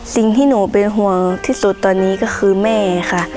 สิ่งที่หนูเป็นห่วงที่สุดตอนนี้ก็คือแม่ค่ะ